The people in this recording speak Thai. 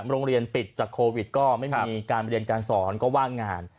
โรงเรียนปิดจากโควิดก็ไม่มีการเรียนการสอนก็ว่างงาน